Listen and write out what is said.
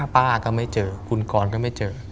ป้าก็ไม่เจอคุณกรก็ไม่เจอ